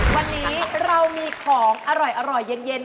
วันนี้เรามีของอร่อยเย็น